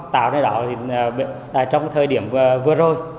tạo ra đó trong thời điểm vừa rồi